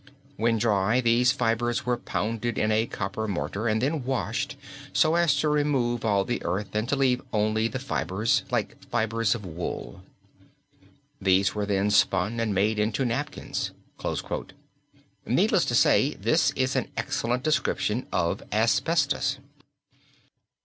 When dry these fibres were pounded in a copper mortar and then washed so as to remove all the earth and to leave only the fibres, like fibres of wool. These were then spun and made into napkins." Needless to say this is an excellent description of asbestos.